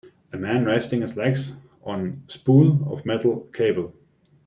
A man resting his legs on spool of metal cable.